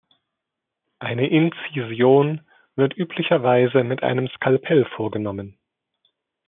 Eine Inzision wird üblicherweise mit einem Skalpell vorgenommen.